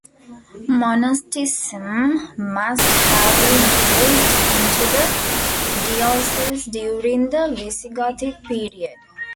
Monasticism must have been introduced into the diocese during the Visigothic period.